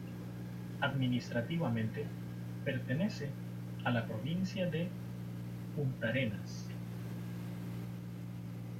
Administrativamente pertenece a la provincia de Puntarenas.